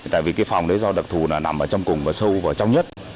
tại vì cái phòng đấy do đặc thù là nằm ở trong cùng và sâu vào trong nhất